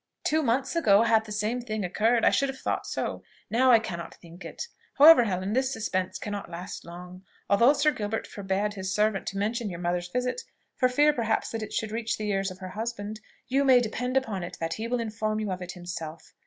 "Two months ago, had the same thing occurred, I should have thought so: now I cannot think it. However, Helen, this suspense cannot last long. Although Sir Gilbert forbad his servants to mention your mother's visit, for fear perhaps that it should reach the ears of her husband, you may depend upon it that he will inform you of it himself.